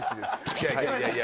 いやいやいやいや。